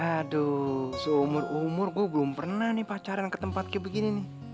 aduh seumur umur gue belum pernah nih pacaran ke tempat kayak begini nih